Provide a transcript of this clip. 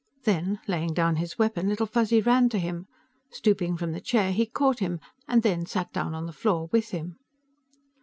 Then, laying down his weapon, Little Fuzzy ran to him; stooping from the chair, he caught him and then sat down on the floor with him.